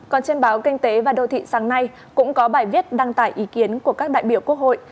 còn trên báo kinh tế và đô thị sáng nay cũng có bài viết đăng tải ý kiến của các đại biểu quốc hội